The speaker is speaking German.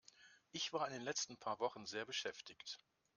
Ich war in den letzten paar Wochen sehr beschäftigt.